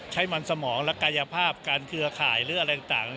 ให้มันสมองและกายภาพการเครือข่ายหรืออะไรต่าง